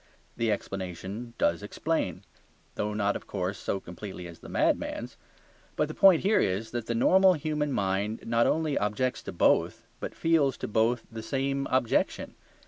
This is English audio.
The explanation does explain, though not, of course, so completely as the madman's. But the point here is that the normal human mind not only objects to both, but feels to both the same objection.